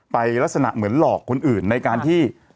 ลักษณะเหมือนหลอกคนอื่นในการที่